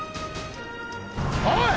おい！